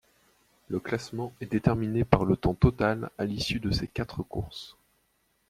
Le classement est déterminé par le temps total à l'issue de ces quatre courses.